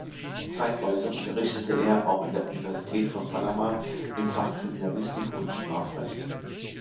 Zeitweise unterrichtete er auch an der Universität von Panama im Fach Kriminalistik und Strafrecht.